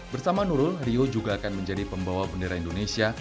bersama nurul rio juga akan menjadi pembawa bendera indonesia